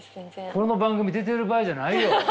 この番組出てる場合じゃないよ。